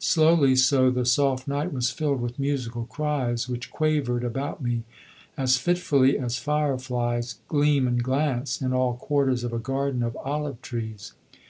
Slowly so the soft night was filled with musical cries which quavered about me as fitfully as fire flies gleam and glance in all quarters of a garden of olive trees.